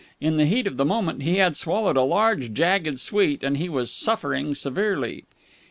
In the heat of the moment he had swallowed a large, jagged sweet, and he was suffering severely.